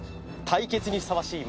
対決にふさわしい